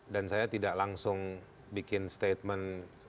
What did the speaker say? dan saya tidak langsung bikin statement